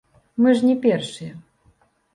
Мы ж не першыя.